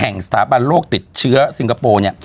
แห่งสถาบันโลกติดเชื้อซิงคโปร์เนี่ย